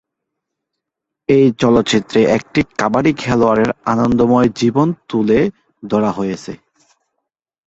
এই চলচ্চিত্রে একটি কাবাডি খেলোয়াড়ের আনন্দময় জীবন তুলা ধরা হয়েছে।